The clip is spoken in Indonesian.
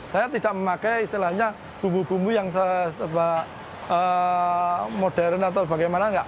saya tidak memakai istilahnya bumbu bumbu yang modern atau bagaimana